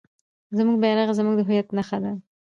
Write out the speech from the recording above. زموږ بیرغ زموږ د هویت نښه ده.